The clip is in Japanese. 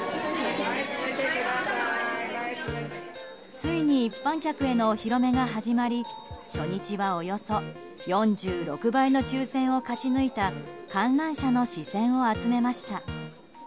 ついに一般客へのお披露目が始まり初日は、およそ４６倍の抽選を勝ち抜いた観覧者の視線を集めました。